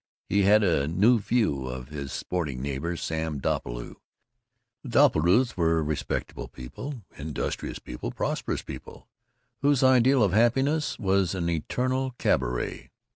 He had a new view of his sporting neighbor, Sam Doppelbrau. The Doppelbraus were respectable people, industrious people, prosperous people, whose ideal of happiness was an eternal cabaret.